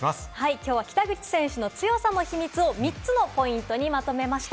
きょうは北口選手の強さの秘密を３つのポイントにまとめました。